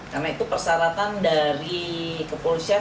karena itu persaratan dari kepolisian